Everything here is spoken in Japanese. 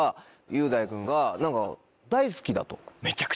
雄大君が何か大好きだと。